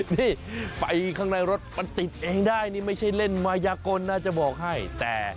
นี่ไปข้างในรถมันติดเองได้นี่ไม่ใช่เล่นมายากลนะจะบอกให้แต่